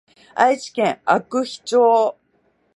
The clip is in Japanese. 愛知県阿久比町